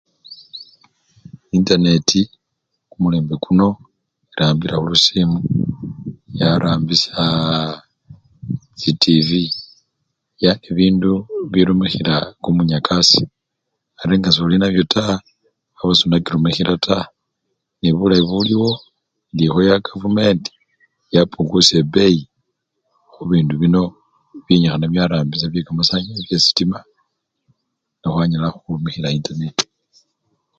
Entaneti kumulembe kuno erambila khulusimu, yarambisya chitivwi, yani bibindu birumikhila kumunyakasi, ari nga soli nabyo taa, aba sonakirumikhila taa, nebulayi buliwo, indi ekhoya kavumenti yapungusya ebeyi khubindu bino bibyenyikhana byarambisya byekamasanyala! byasitima nekhwanyala khurumikhila entaneti.